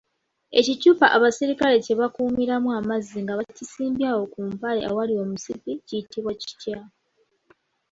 Ekicupa abasirikale kye bakuumiramu amazzi nga bakisibye awo ku mpale awali omusipi kiyitibwa kitya?